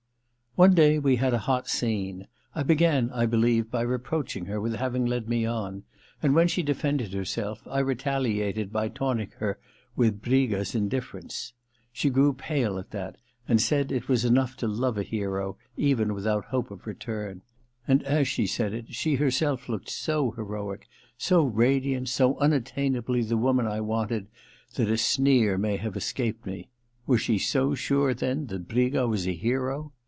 One day we had a hot scene. I began, I believe, by reproaching her with having led me on ; and when she defended ' herself, I retaliated by taunting her with Briga^s indifference. She grew pale at that, and said it was enough to love a hero, even without hope of return ; and as she said it she herself looked so heroic, so radiant, so unattainably the woman I wanted, that a sneer may have escaped me :— ^was she so sure then that Briga was a hero